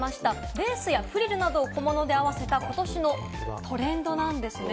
レースやフリルなどを小物で合わせた、今年のトレンドなんですね。